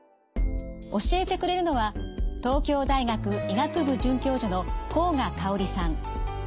教えてくれるのは東京大学医学部准教授の甲賀かをりさん。